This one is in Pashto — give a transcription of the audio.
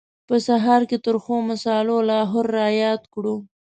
په سهار کې ترخو مسالو لاهور را یاد کړو.